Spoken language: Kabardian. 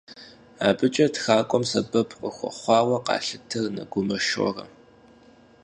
АбыкӀэ тхакӀуэм сэбэп къыхуэхъуауэ къалъытэ Нэгумэ Шорэ.